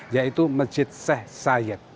yaitu mejid seh sayed